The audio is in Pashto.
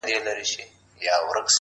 ته یې لور د شراب. زه مست زوی د بنګ یم.